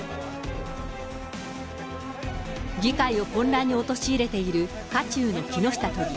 議会を混乱に陥れている渦中の木下都議。